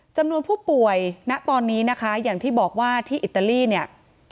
จำนวนผู้ป่วยณตอนนี้นะคะอย่างที่บอกว่าที่อิตาลีเนี่ย